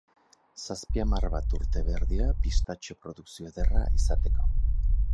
Zazpi-hamar bat urte behar dira pistatxo-produkzio ederra izateko.